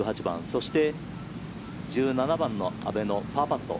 そして１７番の阿部のパーパット。